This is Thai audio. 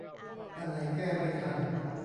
อันไหนแก้ไม่ทัน